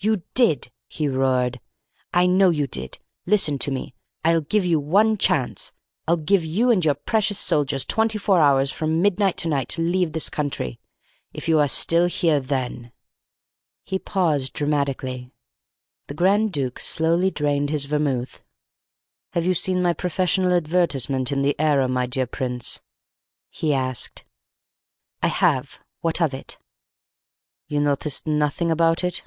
"You did!" he roared. "I know you did! Listen to me! I'll give you one chance. I'll give you and your precious soldiers twenty four hours from midnight to night to leave this country. If you are still here then " He paused dramatically. The Grand Duke slowly drained his vermouth. "Have you seen my professional advertisement in the Era, my dear Prince?" he asked. "I have. What of it?" "You noticed nothing about it?"